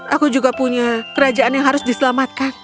aku juga punya kerajaan yang harus diselamatkan